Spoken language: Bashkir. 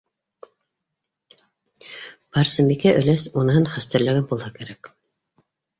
- Барсынбикә өләс уныһын хәстәрләгән булһа кәрәк.